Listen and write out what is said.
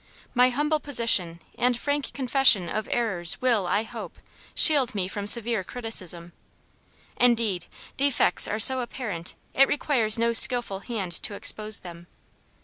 My humble position and frank confession of errors will, I hope, shield me from severe criticism. Indeed, defects are so apparent it requires no skilful hand to expose them.